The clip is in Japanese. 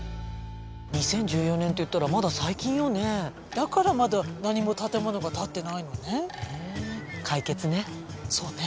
２０１４年っていったらまだ最近よねだからまだ何も建物が建ってないのね解決ねそうね